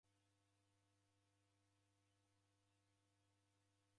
Niw'ikie mbogha nije.